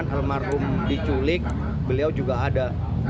pada saat almarhum diculik beliau juga ada